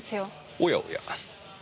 おやおや。